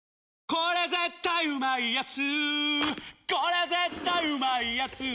これ絶対うまいやつ」